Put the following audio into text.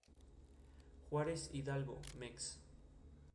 Esto se debe principalmente al extendido uso que tienen los "archivos tar".